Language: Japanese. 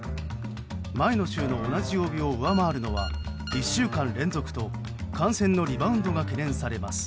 前の週の同じ曜日を上回るのは１週間連続と感染のリバウンドが懸念されます。